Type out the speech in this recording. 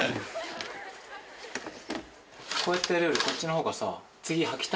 こうやってやるよりこっちのほうがさ。